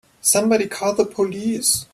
Somebody call the police!